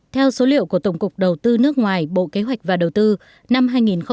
theo số liệu của tổng cục đầu tư nước ngoài bộ kế hoạch và đầu tư năm hai nghìn một mươi tám